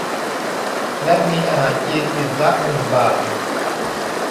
และมีอาหารจีนอิ่มละหนึ่งบาท